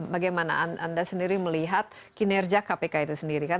bagaimana anda sendiri melihat kinerja kpk itu sendiri kan